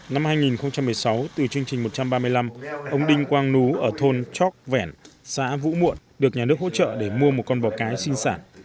năm hai nghìn một mươi sáu từ chương trình một trăm ba mươi năm ông đinh quang nú ở thôn chóc vẻn xã vũ muộn được nhà nước hỗ trợ để mua một con bò cái sinh sản